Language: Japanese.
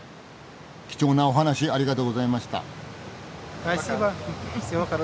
貴重なお話ありがとうございました。